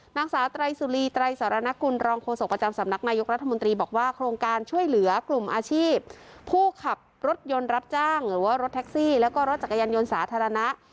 ผู้ขับรถยนตร์รับจ้างหรือว่ารถแท็กซี่แล้วก็รถจักรยานยนต์สาธารณะ